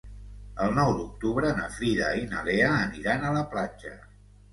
El nou d'octubre na Frida i na Lea aniran a la platja.